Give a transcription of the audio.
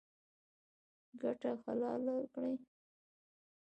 ګټه حلاله کړئ